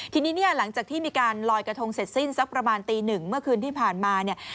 ทีนี้เนี่ยหลังจากที่มีการลอยกระทงเสร็จสิ้นสักประมาณตีหนึ่งเมื่อคืนที่ผ่านมาเนี่ย